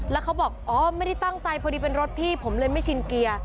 แล้วเขาบอกอ๋อไม่ได้ตั้งใจพอดีเป็นรถพี่ผมเลยไม่ชินเกียร์